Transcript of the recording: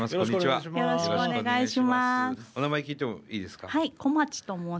はい。